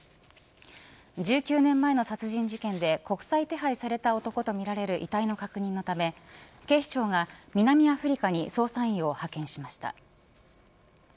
１９年前の殺人事件で国際手配された男とみられる遺体の確認のため警視庁が南アフリカに捜査員を派遣しました。